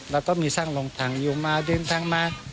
เราก็มีสร้างลงทางยุงมาเดินทางมา